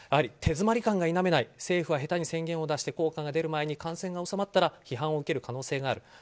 手詰まり感が否めない政府は下手に宣言を出して効果が出る前に感染が収まったら批判を受ける可能性がある。